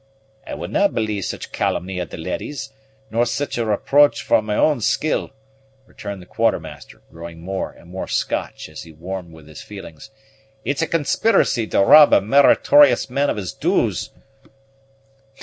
"I will na believe such calumny of the leddies, nor sic' a reproach on my own skill," returned the Quartermaster, growing more and more Scotch as he warmed with his feelings; "it's a conspiracy to rob a meritorious man of his dues."